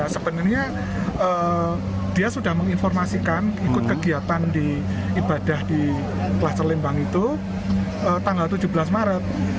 sebenarnya dia sudah menginformasikan ikut kegiatan di ibadah di kluster lembang itu tanggal tujuh belas maret